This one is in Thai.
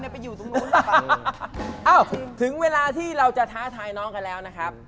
อ้าวถึงเวลาที่เราจะท้าทายน้องกันแล้วนะครับ